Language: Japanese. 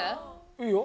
いいよ。